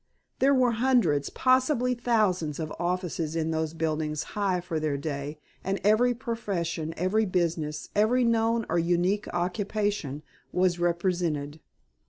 There were hundreds, possibly thousands, of offices in those buildings high for their day, and every profession, every business, every known or unique occupation, was represented.